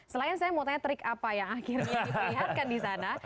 selain saya mau tanya trik apa yang akhirnya diperlihatkan di sana